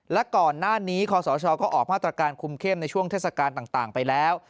และก่อนหน้านี้คศก็ออกมาตรการคุมเข้มในช่วงเทศกาลต่างไปแล้ว